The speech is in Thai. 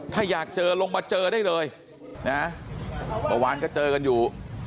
ถ้าอยากเจอลงมาเจอได้เลยนะเมื่อวานก็เจอกันอยู่